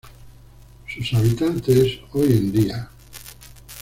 Sus habitantes, hoy en día.